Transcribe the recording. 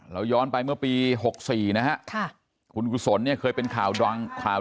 เราย้อนไปเมื่อปี๖๔นะฮะค่ะคุณกุศลเนี่ยเคยเป็นข่าวดังนะครับ